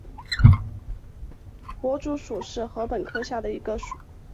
薄竹属是禾本科下的一个属。